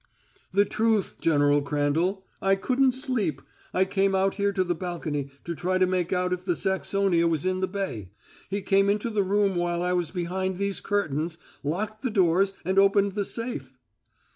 "The truth, General Crandall. I couldn't sleep. I came out here to the balcony to try to make out if the Saxonia was in the bay. He came into the room while I was behind these curtains, locked the doors, and opened the safe."